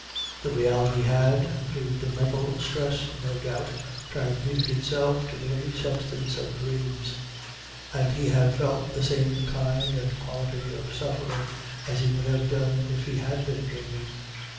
_" The reality had, through the mental stress, no doubt transmuted itself to the very substance of dreams, and he had felt the same kind and quality of suffering as he would have done if he had been dreaming.